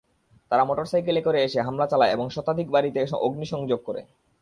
তারা মোটরসাইকেলে করে এসে হামলা চালায় এবং শতাধিক বাড়িতে অগ্নিসংযোগ করে।